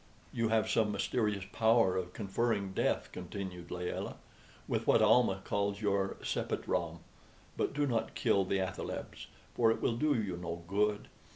"You have some mysterious power of conferring death," continued Layelah, "with what Almah calls your sepet ram; but do not kill the athalebs, for it will do you no good.